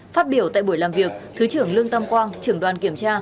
phát biểu tại buổi làm việc thứ trưởng lương tam quang trưởng đoàn kiểm tra